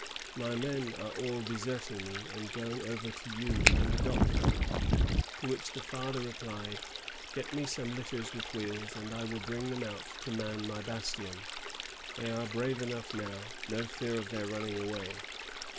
My men are all deserting me, and going over to you and the doctor.'* To which the father replied, ^Oet me some litters with wheels, and I will bring them out to man my bastion. They are brave enough now; no fear of their running away."